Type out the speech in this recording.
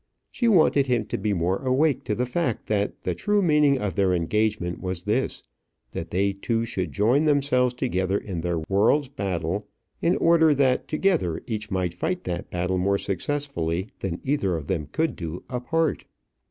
She wanted him to be more awake to the fact that the true meaning of their engagement was this, that they two should join themselves together in their world's battle, in order that together each might fight that battle more successfully than either of them could do apart.